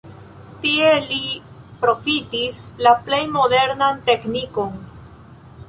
Tie li profitis la plej modernan teknikon.